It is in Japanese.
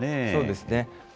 そうですね。